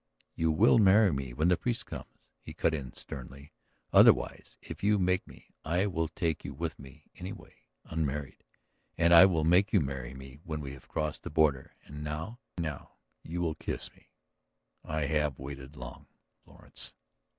..." "You will marry me when the priest comes," he cut in sternly. "Otherwise, if you make me, I will take you with me anyway, unmarried. And I will make you marry me when we have crossed the border. And now ... now you will kiss me. I have waited long, Florence."